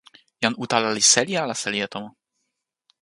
jan utala li seli ala seli e tomo?